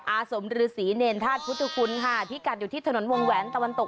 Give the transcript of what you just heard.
อาสมฤษีเนรธาตุพุทธคุณค่ะพิกัดอยู่ที่ถนนวงแหวนตะวันตก